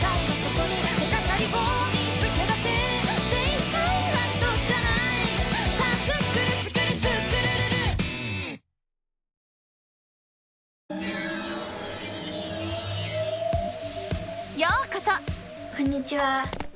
こんにちは。